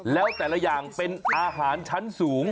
แล้วแต่ละอย่างเป็นอาหารชั้นสูง